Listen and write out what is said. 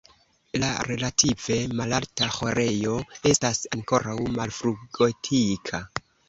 La relative malalta ĥorejo estas ankoraŭ malfrugotika.